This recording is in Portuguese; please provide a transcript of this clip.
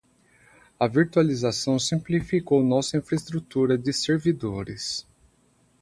A virtualização simplificou nossa infraestrutura de servidores.